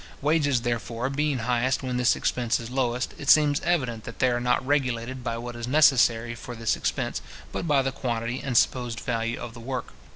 Wages, therefore, being highest when this expense is lowest, it seems evident that they are not regulated by what is necessary for this expense, but by the quantity and supposed value of the work.